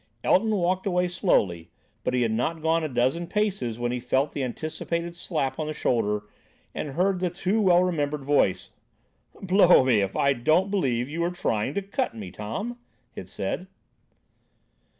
Elton walked away slowly, but he had not gone a dozen paces when he felt the anticipated slap on the shoulder and heard the too well remembered voice. "Blow me, if I don't believe you were trying to cut me, Tom," it said.